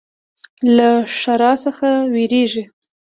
له ښرا څخه ویریږي.